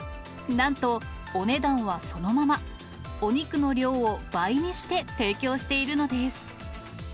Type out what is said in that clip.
なんと、お値段はそのまま、お肉の量を倍にして提供しているのです。